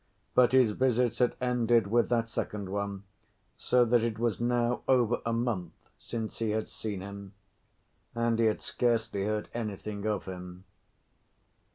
But his visits had ended with that second one, so that it was now over a month since he had seen him. And he had scarcely heard anything of him.